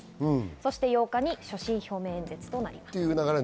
そして８日に所信表明演説となります。